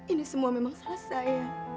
ini semua memang salah saya